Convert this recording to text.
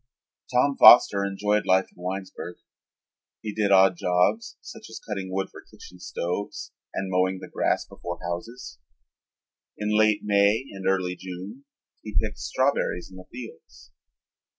Tom Foster enjoyed life in Winesburg. He did odd jobs, such as cutting wood for kitchen stoves and mowing the grass before houses. In late May and early June he picked strawberries in the fields.